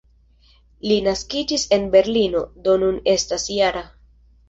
Li naskiĝis en Berlino, do nun estas -jara.